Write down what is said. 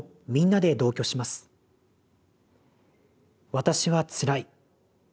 私はつらい。